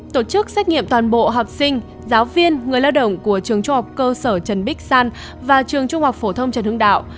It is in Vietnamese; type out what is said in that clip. tổ chức xét nghiệm toàn bộ học sinh giáo viên người lao động của trường trung học cơ sở trần bích san và trường trung học phổ thông trần hưng đạo